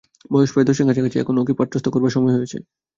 বয়স প্রায় দশের কাছাকাছি হল, এখন ওকে পাত্রস্থ করবার সময় হয়েছে।